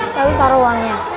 lalu taruh uangnya